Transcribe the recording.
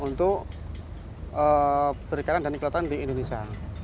untuk perbaikan dan kekuatan di indonesia